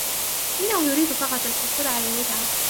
إنه يريد فقط الحصول على المتعة.